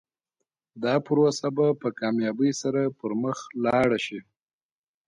دا پروسه به په کامیابۍ سره پر مخ لاړه شي.